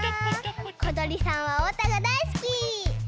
ことりさんはおうたがだいすき！